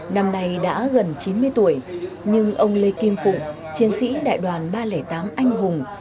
năm nay đã gần chín mươi tuổi nhưng ông lê kim phụng chiến sĩ đại đoàn ba trăm linh tám anh hùng